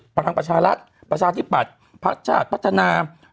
พลังประชารัฐประชาธิปัตย์พักชาติพัฒนา